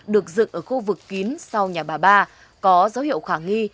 được dựng ở khu vực kín sau nhà bà ba có dấu hiệu khả nghi